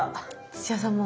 土屋さんも。